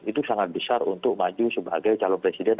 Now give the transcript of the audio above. itu sangat besar untuk maju sebagai calon presiden